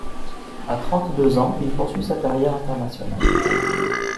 À trente-deux ans, il poursuit sa carrière internationale.